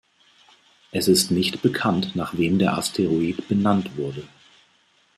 Es ist nicht bekannt, nach wem der Asteroid benannt wurde.